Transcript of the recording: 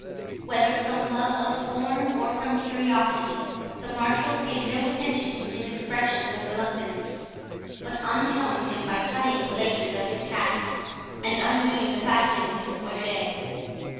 Whether from love of form, or from curiosity, the marshals paid no attention to his expressions of reluctance, but unhelmed him by cutting the laces of his casque, and undoing the fastening of his gorget.